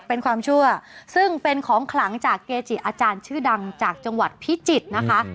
เป็นความเชื่อซึ่งเป็นของขลังจากเกจิอาจารย์ชื่อดังจากจังหวัดพิจิตรนะคะ